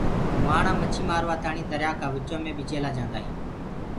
مُهآڻآ مڇي مآروآتآڻي دريآ ڪآ وچو مينٚ بي چيلآ جآندآ هينٚ۔